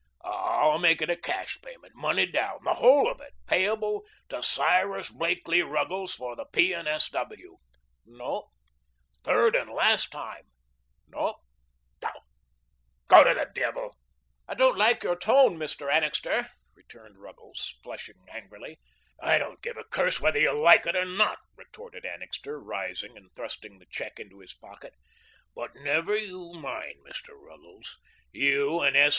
"I'll make it a cash payment, money down the whole of it payable to Cyrus Blakelee Ruggles, for the P. and S. W." "No." "Third and last time." "No." "Oh, go to the devil!" "I don't like your tone, Mr. Annixter," returned Ruggles, flushing angrily. "I don't give a curse whether you like it or not," retorted Annixter, rising and thrusting the check into his pocket, "but never you mind, Mr. Ruggles, you and S.